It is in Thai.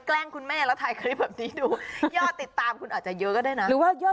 แต่ผมไม่ค่อยตีอย่างนี้เลย